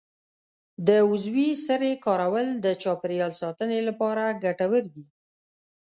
د عضوي سرې کارول د چاپیریال ساتنې لپاره ګټور دي.